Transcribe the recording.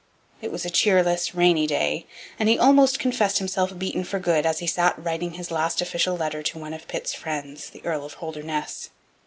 It was a cheerless, rainy day; and he almost confessed himself beaten for good, as he sat writing his last official letter to one of Pitt's friends, the Earl of Holderness.